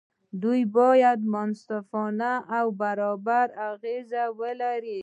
دوی باید منصفانه او برابر اغېز ولري.